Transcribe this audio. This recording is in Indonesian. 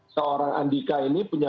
seorang andika ini punya